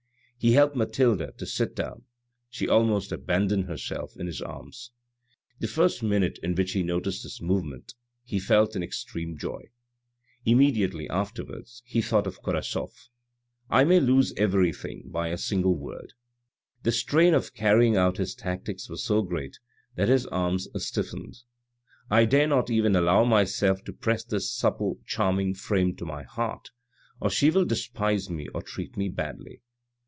He helped Mathilde to sit down ; she almost abandoned herself in his arms. The first minute in which he noticed this movement, he felt an extreme joy. Immediately afterwards, he thought of Korasoff :" I may lose everything by a single word." The strain of carrying out his tactics was so great that his arms stiffened. " I dare not even allow myself to press this supple, charming frame to my heart, or she will despise me or treat me badly.